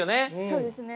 そうですね。